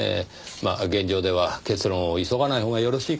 まあ現状では結論を急がないほうがよろしいかと。